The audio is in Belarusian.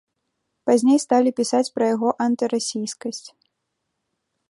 Пазней сталі пісаць пра яго антырасійскасць.